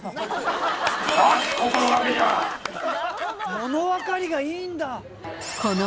物分かりがいいんだ。